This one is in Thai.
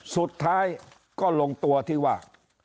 สุดท้ายก็ลงตัวที่ว่า